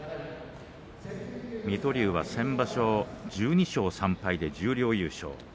水戸龍は先場所１２勝３敗で十両優勝。